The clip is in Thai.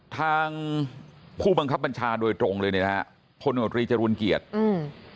ทางผู้บังคับบัญชาโดยตรงเลยนี่นะฮะคนวงตรีจรวนเกียจอืม